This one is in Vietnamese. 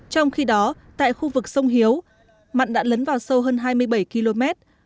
trong khi đó tại khu vực sông hiếu mặn đã lấn vào sâu hơn hai mươi bảy km